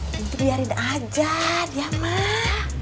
cucu biarin aja diam mak